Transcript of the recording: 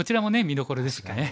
見どころですよね。